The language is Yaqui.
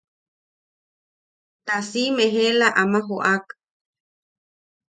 Ta siʼime eela ama joʼak.